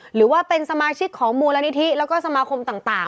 หรือว่าเป็นสมาชิกของมูลนิธิแล้วก็สมาคมต่าง